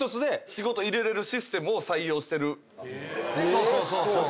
そうそうそうそう。